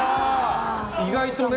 意外とね。